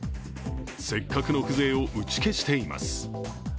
せっかくの風情を打ち消しています。